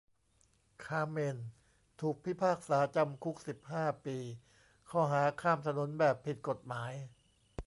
คาร์เมนถูกพิพากษาจำคุกสิบห้าปีข้อหาข้ามถนนแบบผิดกฎหมาย